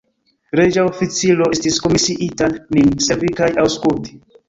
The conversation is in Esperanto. Reĝa oficiro estis komisiita nin servi kaj aŭskulti.